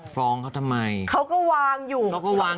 ฟ้องเขาทำไมเขาก็วางอยู่ไม่ได้มีใครบอกวาง